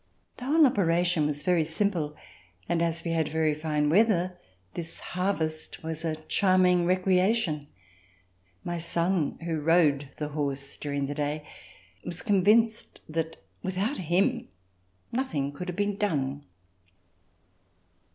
The whole operation was very simple and, as we had very fine weather, this harvest was a charming recreation. My son who rode the horse during the day was convinced that without him nothing could have been done.